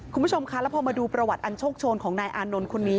คุณผู้ชมคะแล้วพอมาดูประวัติอันโชคโชนของนายอานนท์คนนี้